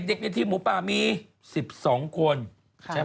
เด็กที่หมูปะมี๑๒คนใช่ไหม